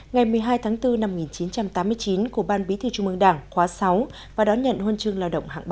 ngày một mươi hai tháng bốn năm một nghìn chín trăm tám mươi chín của ban bí thư trung mương đảng khóa sáu và đón nhận huân chương lao động hạng ba